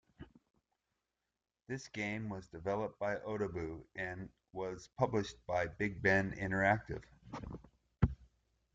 This game was developed by Otaboo, and was published by BigBen Interactive.